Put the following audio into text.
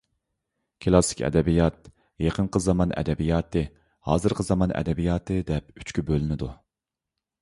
كلاسسىك ئەدەبىيات، يېقىنقى زامان ئەدەبىياتى، ھازىرقى زامان ئەدەبىياتى دەپ ئۆچكە بۆلۈنىدۇ.